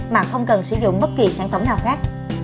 mà không cần sử dụng bất kỳ sản phẩm nào khác